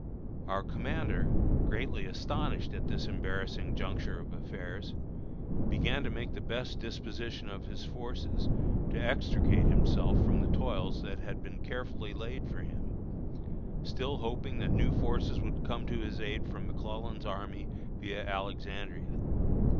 Our commander, greatly astonished at this embarrassing juncture of affairs, began to make the best disposition of his forces, to extricate himself from the toils that had been carefully laid for him; still hoping that new forces would come to his aid from McClellan's army via Alexandria.